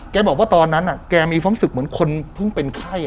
บอกว่าตอนนั้นแกมีความรู้สึกเหมือนคนเพิ่งเป็นไข้